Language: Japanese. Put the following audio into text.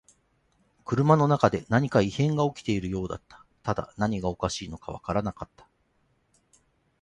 車の中で何か異変が起きているようだった。ただ何がおかしいのかわからなかった。